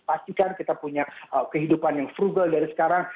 pastikan kita punya kehidupan yang frugal dari sekarang